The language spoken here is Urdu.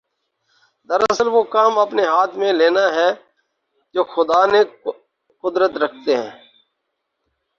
دراصل وہ کام اپنے ہاتھ میں لینا ہے جوخدا نے قدرت رکھتے